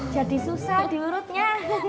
jadi susah diurutnya